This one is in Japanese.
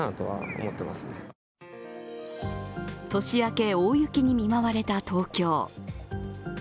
年明け、大雪に見舞われた東京。